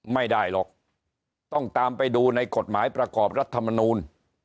ไม่ได้หรอกต้องตามไปดูในกฎหมายประกอบรัฐมนูล